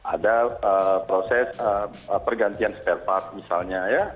ada proses pergantian spare part misalnya ya